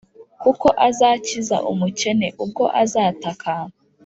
kuko azakiza umukene, ubwo azataka;